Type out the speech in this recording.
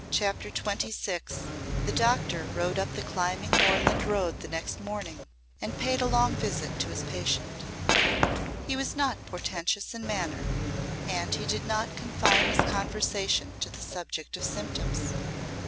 CHAPTER XXVI The doctor rode up the climbing moorland road the next morning and paid a long visit to his patient. He was not portentous in manner and he did not confine his conversation to the subject of symptoms.